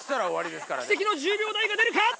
奇跡の１０秒台が出るか？